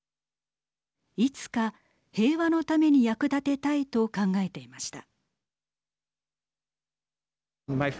いつか平和のために役立てたいと考えていました。